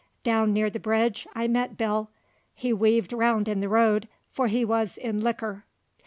Down near the bridge I met Bill; he weaved round in the road, for he wuz in likker.